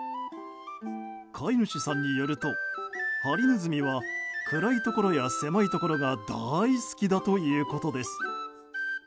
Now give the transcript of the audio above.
飼い主さんによるとハリネズミは暗いところや狭いところが大好きだということです。